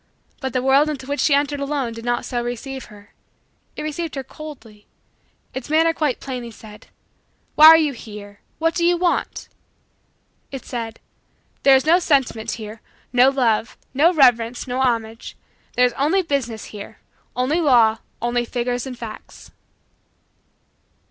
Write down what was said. But the world into which she entered alone did not so receive her. It received her coldly. Its manner said quite plainly: "Why are you here? What do you want?" It said: "There is no sentiment here, no love, no reverence, no homage; there is only business here, only law, only figures and facts."